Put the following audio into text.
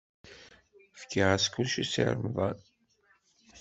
Fkiɣ-as kullec i Si Remḍan.